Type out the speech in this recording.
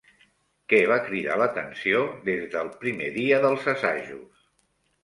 Què va cridar l'atenció des del primer dia dels assajos?